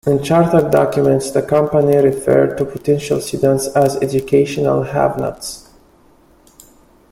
In charter documents, the company referred to potential students as "educational have-nots".